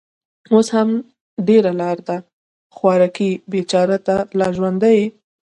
اوس هم ډېره لار ده. خوارکۍ، بېچاره، ته لا ژوندۍ يې؟